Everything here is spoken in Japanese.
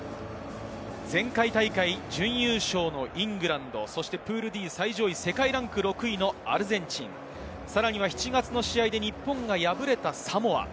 前回大会準優勝のイングランド、そしてプールＤ最上位世界ランク６位のアルゼンチン、さらには７月の試合で日本が敗れたサモア。